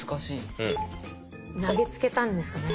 投げつけたんですかね。